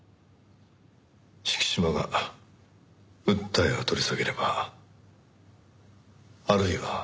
敷島が訴えを取り下げればあるいは。